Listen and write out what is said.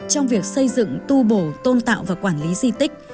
trong việc xây dựng tu bổ tôn tạo và quản lý di tích